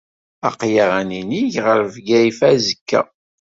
Aql-aɣ ad ninig ar Bgayet azekka.